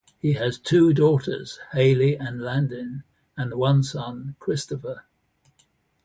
He has two daughters, Haley and Landin, and one son, Christopher.